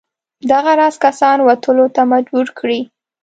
دغه راز کسان وتلو ته مجبور کړي.